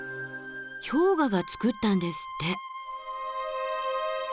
氷河がつくったんですって。